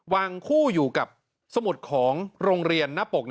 วางคู่อยู่กับสมุดของโรงเรียนหน้าปก